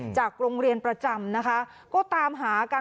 จากโรงเรียนประจำนะคะก็ตามหากัน